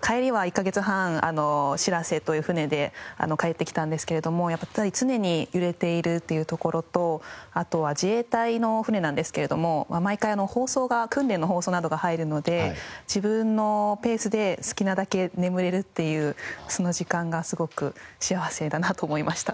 帰りは１カ月半しらせという船で帰ってきたんですけれどもやっぱり常に揺れているというところとあとは自衛隊の船なんですけれども毎回放送が訓練の放送などが入るので自分のペースで好きなだけ眠れるっていうその時間がすごく幸せだなと思いました。